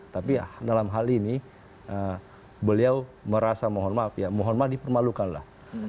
tapi dalam hal ini beliau merasa mohon maaf ya dipermalukan lah